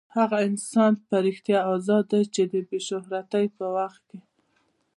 هغه انسان په رښتیا ازاد دی چې د بې شهرتۍ په وخت کې.